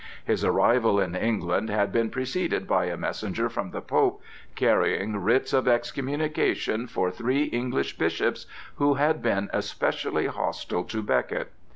His arrival in England had been preceded by a messenger from the Pope carrying writs of excommunication for three English bishops who had been especially hostile to Becket.